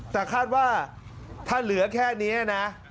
แต่คาดว่าถ้าเหลือแค่นี้นะ